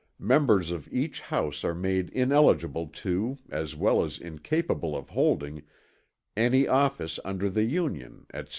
members of each House are made ineligible to, as well as incapable of holding, any office under the Union, etc.